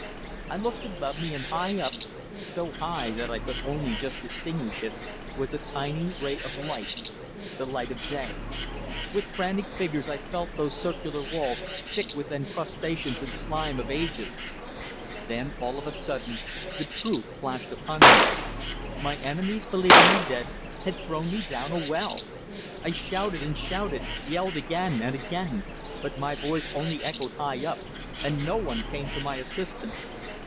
I looked above me and high up, so high that I could only just distinguish it was a tiny ray of light the light of day. With frantic fingers I felt those circular walls, thick with the encrustations and slime of ages. Then all of a sudden the truth flashed upon me. My enemies, believing me dead, had thrown me down a well! I shouted and shouted, yelled again and again. But my voice only echoed high up, and no one came to my assistance.